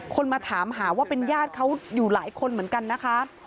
มาถามหาว่าเป็นญาติเขาอยู่หลายคนเหมือนกันนะคะ